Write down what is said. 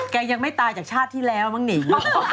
ยังไม่ตายจากชาติที่แล้วมั้งหนี